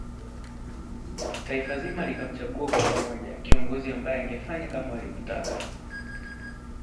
Taifa zima likamchagua kwa pamoja kiongozi ambaye angefanya kama walivyotaka